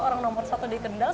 orang nomor satu di kendal